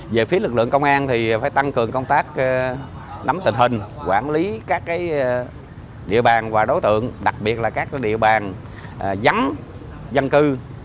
về phía lực lượng công an thì phải tăng cường công tác nắm tình hình quản lý các địa bàn và đối tượng đặc biệt là các địa bàn dắn dân cư